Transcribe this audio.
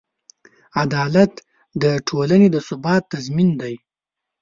عدالت د ټولنې د ثبات تضمین دی.